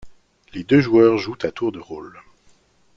Les deux joueurs jouent à tour de rôle.